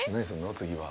次は。